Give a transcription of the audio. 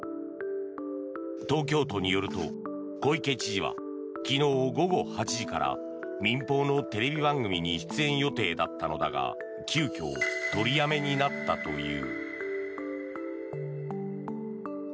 東京都によると小池知事は昨日午後８時から民放のテレビ番組に出演予定だったのだが急きょ取りやめになったという。